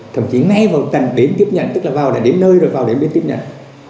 thậm chí ngay vào tầng đến tiếp nhận tức là vào là đến nơi rồi vào để đến tiếp nhận